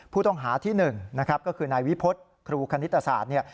ผู้ต้องหาที่๑นะครับก็คือนายวิพฤษครูคณิตศาสตร์เนี่ย